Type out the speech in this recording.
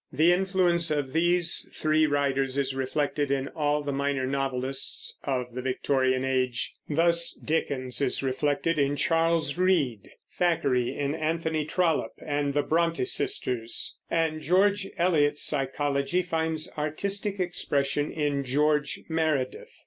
The influence of these three writers is reflected in all the minor novelists of the Victorian Age. Thus, Dickens is reflected in Charles Reade, Thackeray in Anthony Trollope and the Brontë sisters, and George Eliot's psychology finds artistic expression in George Meredith.